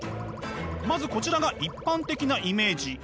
まずこちらが一般的なイメージ。